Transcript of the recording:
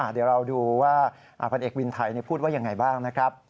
เดี๋ยวเราดูว่าพันธุ์เอกวินไทยพูดว่าอย่างไรบ้าง